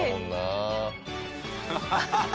ハハハハ！